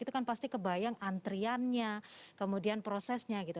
itu kan pasti kebayang antriannya kemudian prosesnya gitu